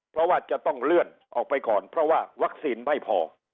เพราะว่าจะต้องเลื่อนออกไปก่อนเพราะว่าวัคซีนไม่พอ